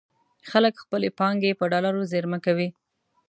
خلک خپلې پانګې په ډالرو زېرمه کوي.